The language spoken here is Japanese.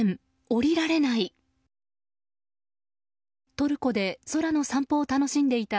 トルコで、空の散歩を楽しんでいた